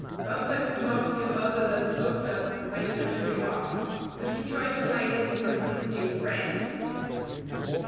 Bumper could not feel other than puffed up by such remarks, but he tried to hide it from his new friends.